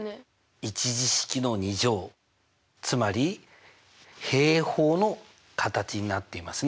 １次式の２乗つまり平方の形になっていますね。